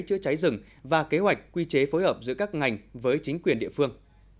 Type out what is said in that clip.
chữa cháy rừng và kế hoạch quy chế phối hợp giữa các ngành với chính quyền địa phương